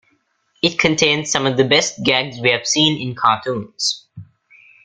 It contains some of the best gags we have seen in cartoons.